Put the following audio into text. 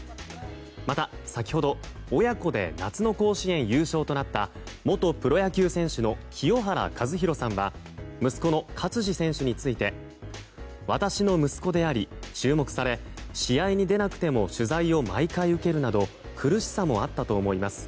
また、先ほど親子で夏の甲子園優勝となった元プロ野球選手の清原和博さんは息子の勝児選手について私の息子であり、注目され試合に出なくても取材を毎回受けるなど苦しさもあったと思います。